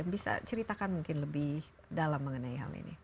bisa ceritakan mungkin lebih dalam mengenai hal ini